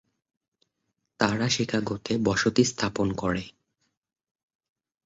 তারা শিকাগোতে বসতি স্থাপন করে।